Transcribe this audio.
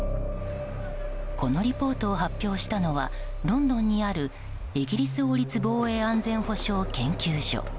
このリポートを発表したのはロンドンにあるイギリス王立防衛安全保障研究所。